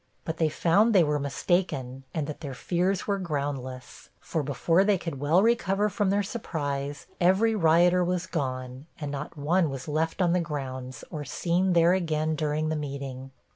But they found they were mistaken, and that their fears were groundless; for, before they could well recover from their surprise, every rioter was gone, and not one was left on the grounds, or seen there again during the meeting.